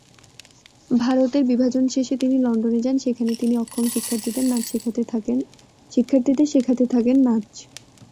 ভারতের বিভাজন শেষে তিনি লন্ডনে যান সেখানে তিনি অক্ষম শিক্ষার্থীদের শেখাতে থাকেন নাচ।